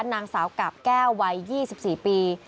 นางสาวกาบแก้ววัย๒๔ปี